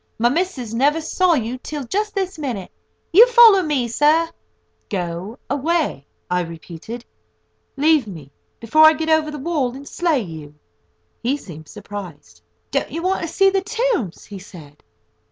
"My missis never see you till just this minute. You follow me, sur." "Go away," I repeated; "leave me before I get over the wall, and slay you." He seemed surprised. "Don't you want to see the tombs?" he said.